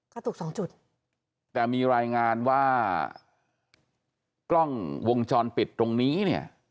กระตุกสองจุดแต่มีรายงานว่ากล้องวงจรปิดตรงนี้เนี่ย